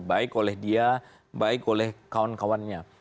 baik oleh dia baik oleh kawan kawannya